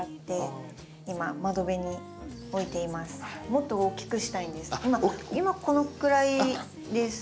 もっと大きくしたいんです。